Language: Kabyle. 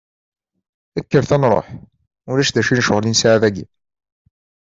Kkret ad nruḥ, ulac d acu n ccɣel i nesɛa dagi.